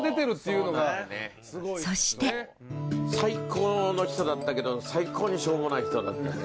そして最高の人だったけど最高にしょうもない人だったね。